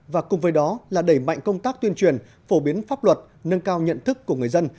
và cùng với đó là đẩy mạnh công tác tuyên truyền phổ biến pháp luật nâng cao nhận thức của người dân